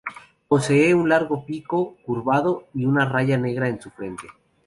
Posee un largo pico curvado y una raya negra en su frente.